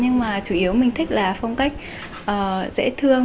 nhưng mà chủ yếu mình thích là phong cách dễ thương